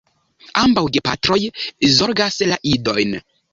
Ambaŭ gepatroj zorgas la idojn.